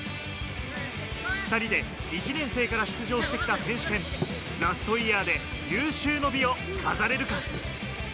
２人で１年生から出場してきた選手権、ラストイヤーで有終の美を飾れるか。